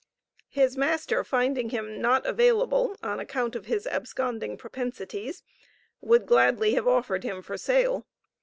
His master finding him not available, on account of his absconding propensities, would gladly have offered him for sale.